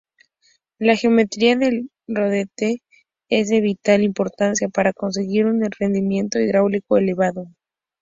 La geometría del rodete es de vital importancia para conseguir un rendimiento hidráulico elevado.